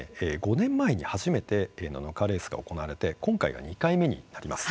５年前に初めてナノカーレースが行われて今回が２回目になります。